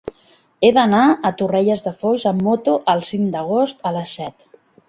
He d'anar a Torrelles de Foix amb moto el cinc d'agost a les set.